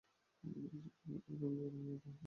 ছেলেবেলা থেকেই রণবীর অভিনেতা হতে চাইতেন।